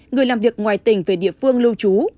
người làm việc ngoài tỉnh về địa phương lưu trú